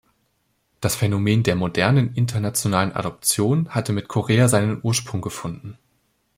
Das Phänomen der modernen internationalen Adoption hatte mit Korea seinen Ursprung gefunden.